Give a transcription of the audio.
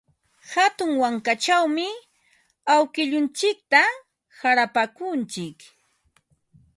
Hatun wankachawmi awkilluntsikta qarapaakuntsik.